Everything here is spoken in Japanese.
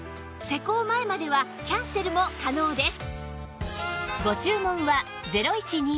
施工前まではキャンセルも可能です